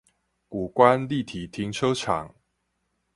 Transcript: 谷關立體停車場